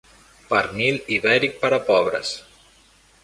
Pernil ibèric per a pobres.